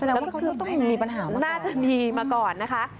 แสดงว่าคำนี้ต้องมีปัญหามาก่อนนะครับอ๋อมาก่อนนะคะ